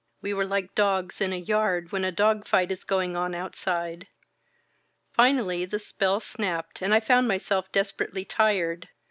We were like dogs in a yard when a dog fight is going on outside. Finally the spell snapped and I found myself desperately tired.